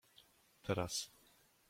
Teraz.